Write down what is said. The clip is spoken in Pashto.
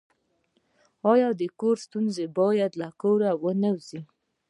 آیا د کور ستونزه باید له کوره ونه وځي؟